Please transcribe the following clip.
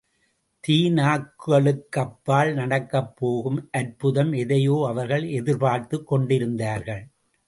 தீநாக்குகளுக்கப்பால் நடக்கப் போகும் அற்புதம் எதையோ அவர்கள் எதிர்பார்த்துக் கொண்டிருந்தார்கள்.